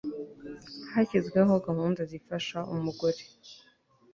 hashyizweho gahunda zifasha umugore